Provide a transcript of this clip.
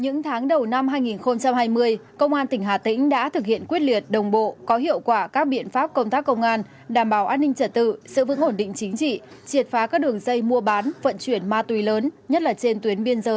những tháng đầu năm hai nghìn hai mươi công an tỉnh hà tĩnh đã thực hiện quyết liệt đồng bộ có hiệu quả các biện pháp công tác công an đảm bảo an ninh trật tự sự vững ổn định chính trị triệt phá các đường dây mua bán vận chuyển ma túy lớn nhất là trên tuyến biên giới